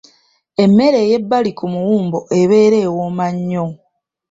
Emmere ey'ebbali ku muwumbo ebeera wooma nnyo.